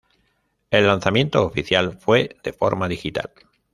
El lanzamiento oficial fue de forma digital.